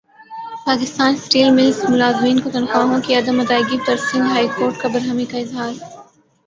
Pakistan Steels ملزملازمین کو تنخواہوں کی عدم ادائیگی پرسندھ ہائی کورٹ کا برہمی کااظہار